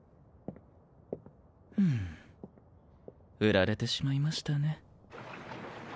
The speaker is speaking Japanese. ふぅフラれてしまいましたね。